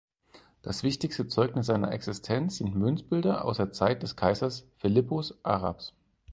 Das wichtigste Zeugnis seiner Existenz sind Münzbilder aus der Zeit des Kaisers Philippus Arabs.